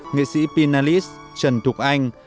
nghệ sĩ pinalist trần thục anh